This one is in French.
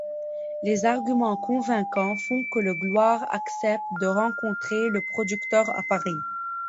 Les arguments convaincants font que Gloire accepte de rencontrer le producteur à Paris.